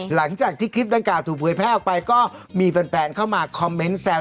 หลังจากที่คลิปดังกล่าถูกเผยแพร่ออกไปก็มีแฟนเข้ามาคอมเมนต์แซว